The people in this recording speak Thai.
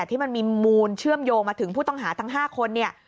ที่มันมีมูลเชื่อมโยงมาถึงผู้ต้องหาทั้ง๕คนเนี่ย